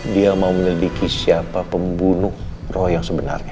dia mau menyelidiki siapa pembunuh roh yang sebenarnya